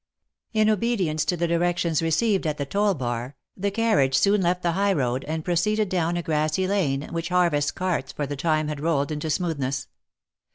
In obedience to the directions received at the ton bar, the carriage soon left the high road, and proceeded down a grassy lane, which harvest carts for the time had rolled into smoothness.